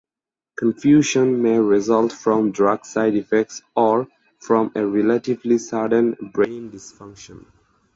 Confusion may result from drug side effects or from a relatively sudden brain dysfunction.